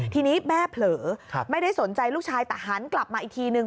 ทีนี้แม่เผลอไม่ได้สนใจลูกชายแต่หันกลับมาอีกทีนึง